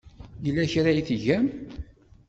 Yella kra ay tgam?